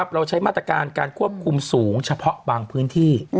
เราใช้มาตรการการควบคุมสูงเฉพาะบางพื้นที่